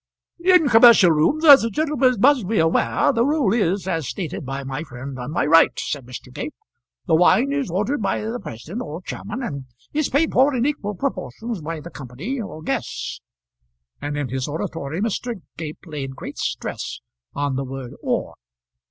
"In commercial rooms, as the gentleman must be aware, the rule is as stated by my friend on my right," said Mr. Gape. "The wine is ordered by the president or chairman, and is paid for in equal proportions by the company or guests," and in his oratory Mr. Gape laid great stress on the word "or."